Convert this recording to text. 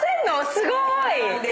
すごい。